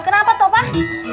kenapa toh pak